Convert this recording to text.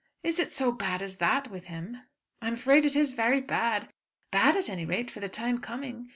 "Is it so bad as that with him?" "I am afraid it is very bad, bad at any rate, for the time coming.